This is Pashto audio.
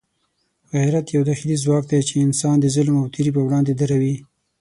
غیرت یو داخلي ځواک دی چې انسان د ظلم او تېري پر وړاندې دروي.